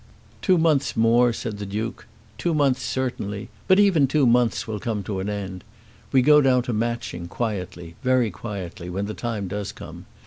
"Two months more!" said the Duke. "Two months certainly. But even two months will come to an end. We go down to Matching quietly, very quietly, when the time does come.